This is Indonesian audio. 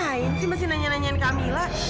ngapain sih masih nanya nanyain kamila